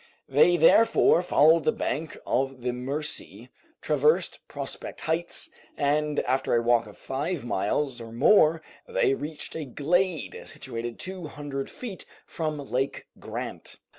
They therefore followed the bank of the Mercy, traversed Prospect Heights, and after a walk of five miles or more they reached a glade, situated two hundred feet from Lake Grant.